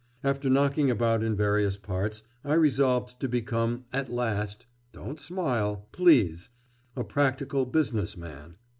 After knocking about in various parts, I resolved to become at last don't smile, please a practical business man.